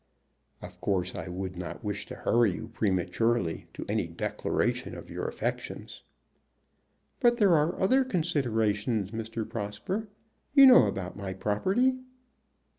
"Of course I would not wish to hurry you prematurely to any declaration of your affections." "But there are other considerations, Mr. Prosper. You know about my property?"